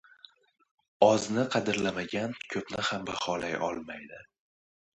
• Ozni qadrlamagan ko‘pni ham baholay olmaydi.